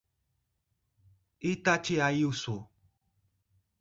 Itatiaiuçu